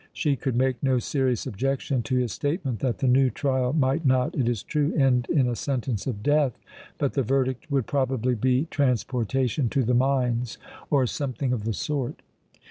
She could make no serious objection to his statement that the new trial might not, it is true, end in a sentence of death, but the verdict would probably be transportation to the mines, or something of the sort.